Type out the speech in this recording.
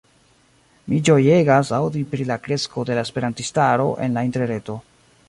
Mi ĝojegas aŭdi pri la kresko de la esperantistaro en la interreto.